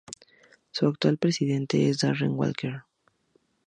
Su actual presidente es Darren Walker.